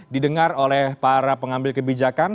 didengar oleh para pengambil kebijakan